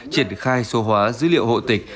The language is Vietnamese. triển khai số hóa dữ liệu hộ tịch